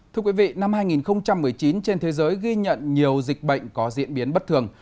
thưa quý vị năm hai nghìn một mươi chín trên thế giới ghi nhận nhiều dịch bệnh có diễn biến bất thường